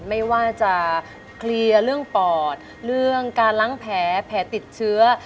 ไม่ว่าจะเคลียร์เรื่องปอดเรื่องการล้างแผลแผลติดเชื้อ